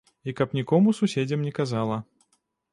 І каб нікому суседзям не казала.